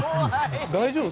大丈夫？